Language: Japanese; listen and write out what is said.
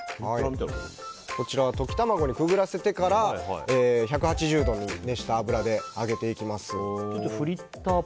こちらは溶き卵にくぐらせてから１８０度に熱した油で揚げていきます。